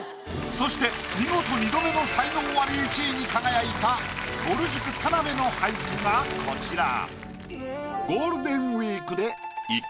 そして見事２度目の才能アリ１位に輝いたぼる塾田辺の俳句がこちら。